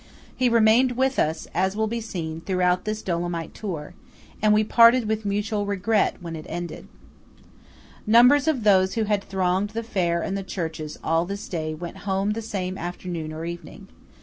He remained with us, as will be seen, throughout this Dolomite tour; and we parted with mutual regret, when it ended. Numbers of those who had thronged the fair and the churches all this day, went home the same afternoon or evening.